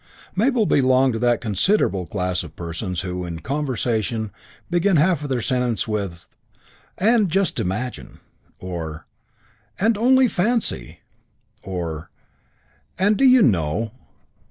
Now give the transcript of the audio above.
II Mabel belonged to that considerable class of persons who, in conversation, begin half their sentences with "And just imagine "; or "And only fancy "; or "And do you know